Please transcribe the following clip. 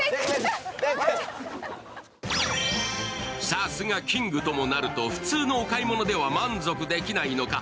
さすがキングともなると普通のお買い物では満足できないのか